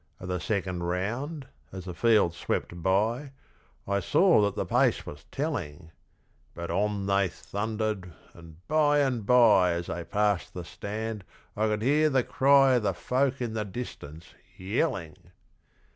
At the second round, as the field swept by, I saw that the pace was telling; But on they thundered, and by and bye As they passed the stand I could hear the cry Of the folk in the distance, yelling!